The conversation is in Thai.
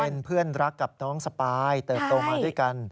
เป็นเพื่อนรักกับน้องสปายเติบโตมาด้วยกัน